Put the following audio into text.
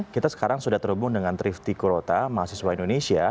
kita sekarang sudah terhubung dengan trifty kurota mahasiswa indonesia